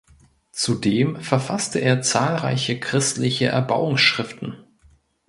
Zudem verfasste er zahlreiche christliche Erbauungsschriften.